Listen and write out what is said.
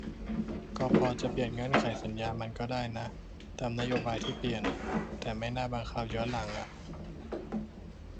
กพ.จะเปลี่ยนเงื่อนไขสัญญามันก็ได้นะ ตามนโยบายที่เปลี่ยน แต่ไม่น่าบังคับย้อนหลังอ่ะ